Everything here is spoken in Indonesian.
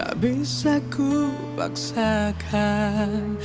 tak bisa ku paksakan